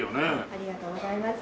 ありがとうございます。